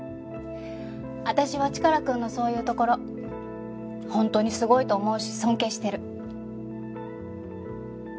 私はチカラくんのそういうところ本当にすごいと思うし尊敬してる。